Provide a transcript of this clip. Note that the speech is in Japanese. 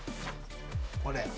これ。